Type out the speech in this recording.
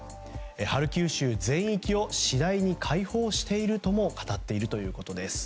ハルキウ州全域を次第に解放しているとも語っているということです。